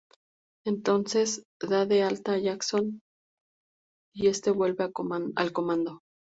Entonces dan de alta a Jackson y este vuelve al Comando.